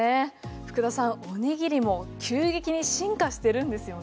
福田さんおにぎりも急激に進化してるんですよね。